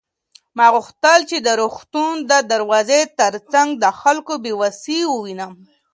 ما غوښتل چې د روغتون د دروازې تر څنګ د خلکو بې وسي ووینم.